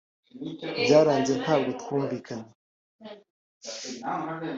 byaranze ntabwo twumvikanye